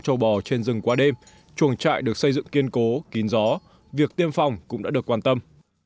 châu bò trên rừng qua đêm chuồng trại được xây dựng kiên cố kín gió việc tiêm phòng cũng đã được quan tâm